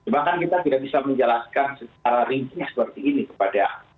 bahkan kita tidak bisa menjelaskan secara rinci seperti ini kepada